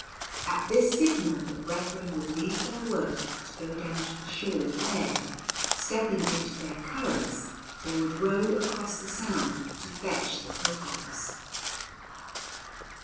At this signal the brethren would leave their work to go down to the shore where, stepping into their "curraghs," they would row across the Sound to fetch the pilgrims.